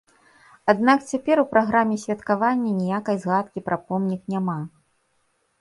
Аднак цяпер у праграме святкавання ніякай згадкі пра помнік няма.